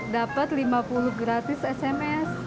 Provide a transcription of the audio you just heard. dapat lima puluh gratis sms